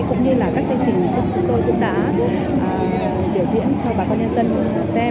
cũng như là các chương trình chúng tôi cũng đã biểu diễn cho bà con nhân dân xem